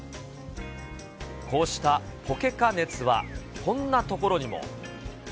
こうしたポケカ熱は、こんなところにも。